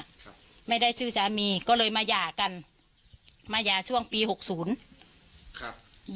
ครับไม่ได้ชื่อสามีก็เลยมาหย่ากันมาหย่าช่วงปีหกศูนย์ครับ